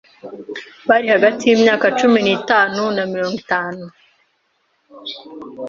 bari hagati y’imyaka cumi nitanu na mirongo itatu